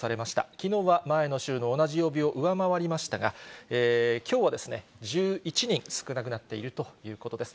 きのうは前の週の同じ曜日を上回りましたが、きょうは１１人少なくなっているということです。